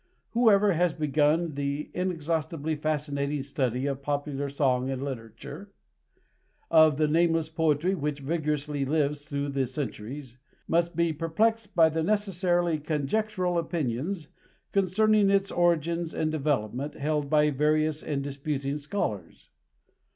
Whoever has begun the inexhaustibly fascinating study of popular song and literature of the nameless poetry which vigorously lives through the centuries must be perplexed by the necessarily conjectural opinions concerning its origin and development held by various and disputing scholars.